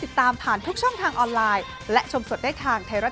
แต่เอาเป็นว่าคิดดีทำไมจะได้มีสิ่งดีเข้ามานะคะ